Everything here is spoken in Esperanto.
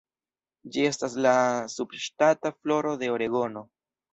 Ĝi estas la subŝtata floro de Oregono.